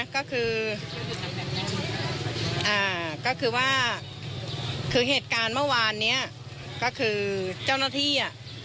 ก็คือว่าคือเหตุการณ์เมื่อวานนี้ก็คือเจ้าหน้าที่อ่ะ